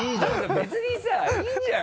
別にさいいじゃん。